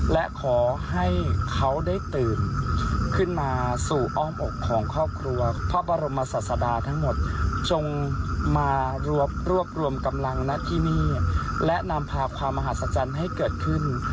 และขอให้เขาได้ตื่นขึ้นมาสู่อ้อมอกของครอบครัวพระบรมศาสดาทั้งหมดจงมารวบรวมกำลังณที่นี่และนำพาความมหัศจรรย์ให้เกิดขึ้น